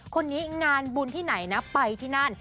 คนนี้งานบุญที่ไหนนะไปที่นั่น